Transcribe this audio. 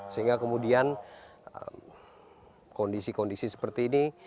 sehingga kemudian kondisi kondisi seperti ini